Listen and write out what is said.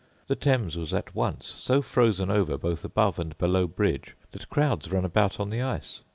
The Thames was at once so frozen over both above and below bridge that crowds ran about on the ice.